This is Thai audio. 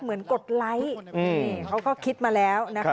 เหมือนกดไลค์เขาก็คิดมาแล้ว